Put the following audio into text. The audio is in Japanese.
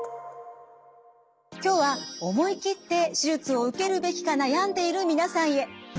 今日は思い切って手術を受けるべきか悩んでいる皆さんへ。